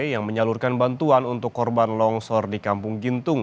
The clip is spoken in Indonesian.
yang menyalurkan bantuan untuk korban longsor di kampung gintung